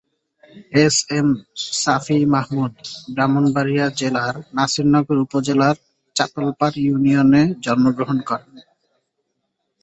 S, M, Safi Mahmud Brahmanbaria জেলার নাসিরনগর উপজেলার চাতলপাড় ইউনিয়নে জন্মগ্রহণ করেন।